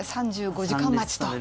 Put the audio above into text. ３５時間待ちと。